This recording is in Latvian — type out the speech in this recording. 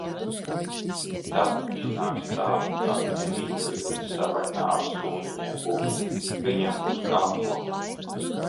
Tad nu iznāks tā, ka Emīlija līdz savai nāves stundiņai būs viņiem uz kakla.